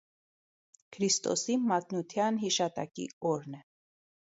Քրիստոսի մատնութեան յիշատակի օրն է։